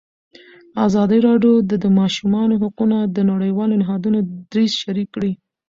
ازادي راډیو د د ماشومانو حقونه د نړیوالو نهادونو دریځ شریک کړی.